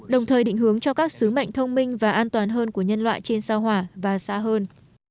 đồng thời định hướng cho các sứ mệnh thông minh và an toàn hơn của nhân loại trên sao hỏa và xa hơn